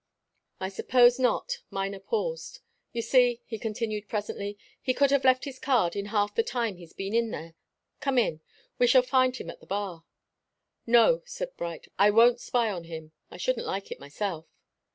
"I suppose not." Miner paused. "You see," he continued, presently, "he could have left his card in half the time he's been in there. Come in. We shall find him at the bar." "No," said Bright. "I won't spy on him. I shouldn't like it myself."